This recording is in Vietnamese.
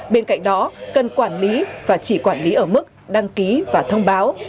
bên cạnh đó cần quản lý và chỉ quản lý ở mức đăng ký và thông báo